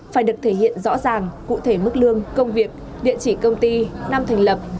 phải được thể hiện rõ ràng cụ thể mức lương công việc địa chỉ công ty năm thành lập